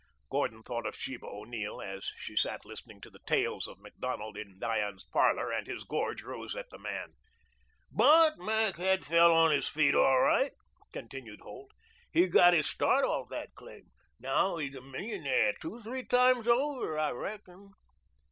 Gordon thought of Sheba O'Neill as she sat listening to the tales of Macdonald in Diane's parlor and his gorge rose at the man. "But Mac had fell on his feet all right," continued Holt. "He got his start off that claim. Now he's a millionaire two or three times over, I reckon."